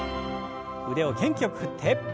腕を元気よく振って。